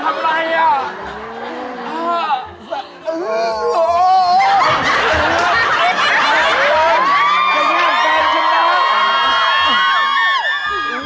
มันไม่่าไม่มีแปลนชั้นนะ